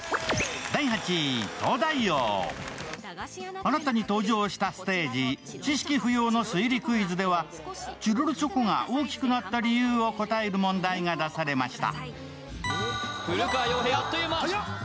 新たに登場したステージ「知識不要の推理クイズ」ではチロルチョコが大きくなった理由を答える問題が出されました。